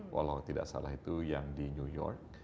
walau tidak salah itu yang di new york